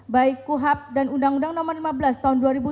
baik kuhap dan undang undang nomor lima belas tahun dua ribu tiga